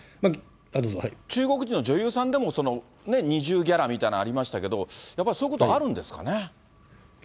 中国人の女優さんでも、二重ギャラみたいなのありましたけど、やっぱりそういうことあるんですかね。